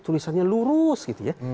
tulisannya lurus gitu ya